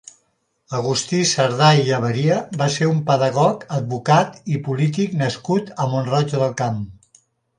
Agustí Sardà i Llaveria va ser un pedagog, advocat i polític nascut a Mont-roig del Camp.